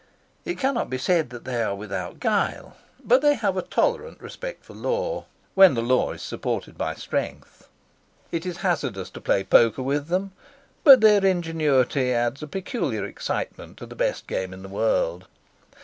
It cannot be said that they are without guile, but they have a tolerant respect for the law, when the law is supported by strength. It is hazardous to play poker with them, but their ingenuity adds a peculiar excitement to the best game in the world.